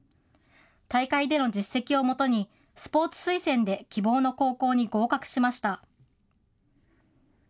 大会での実績をもとに、スポーツ推薦で希望の高校に合格しました。